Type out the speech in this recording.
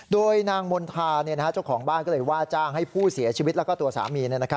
โดยนางมณฑาเจ้าของบ้านก็เลยว่าจ้างให้ผู้เสียชีวิตแล้วก็ตัวสามี